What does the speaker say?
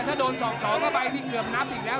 ถ้าโดนส่กสอนก็ไปผมจะเกือบนับอีกแล้ว